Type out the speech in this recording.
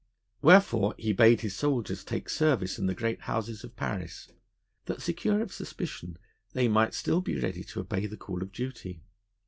Wherefore, he bade his soldiers take service in the great houses of Paris, that, secure of suspicion, they might still be ready to obey the call of duty.